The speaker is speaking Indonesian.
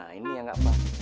nah ini yang gak pas